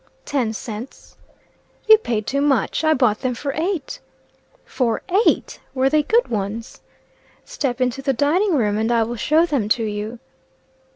"Ten cents." "You paid too much. I bought them for eight." "For eight! Were they good ones?" "Step into the dining room, and I will show them to you."